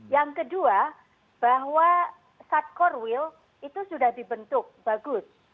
yang kedua bahwa sat core will itu sudah dibentuk bagus